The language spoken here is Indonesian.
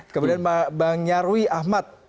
kemudian bang nyarwi ahmad